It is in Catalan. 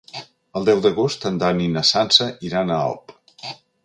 El deu d'agost en Dan i na Sança iran a Alp.